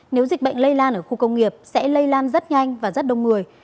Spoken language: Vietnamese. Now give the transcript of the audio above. nếu dịch bệnh lây lan ở khu công nghiệp sẽ lây lan rất nhanh và rất đông người